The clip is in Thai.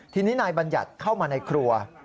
ทีนี้นายบัญญัติเข้ามาในครัว